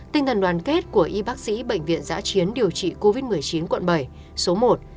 tinh thần đoàn kết của y bác sĩ bệnh viện giã chiến điều trị covid một mươi chín quận bảy số một